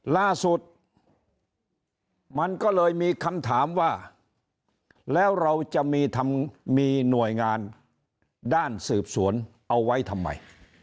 ล่าสุดมันก็เลยมีคำถามว่าแล้วเราจะมีหน่วยงานด้านสืบสวนเอาไว้ทำไม